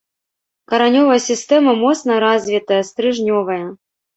Каранёвая сістэма моцна развітая, стрыжнёвая.